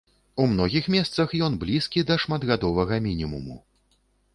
У многіх месцах ён блізкі да шматгадовага мінімуму.